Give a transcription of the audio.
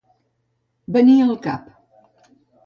Venir al cap.